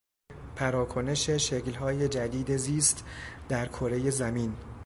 پراکنش شکلهای جدید زیست در کرهی زمین